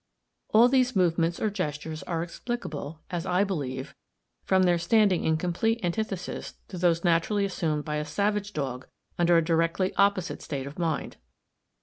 All these movements or gestures are explicable, as I believe, from their standing in complete antithesis to those naturally assumed by a savage dog under a directly opposite state of mind.